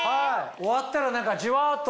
終わったらじわっと。